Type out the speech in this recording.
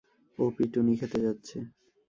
ও পিটুনি খেতে যাচ্ছে।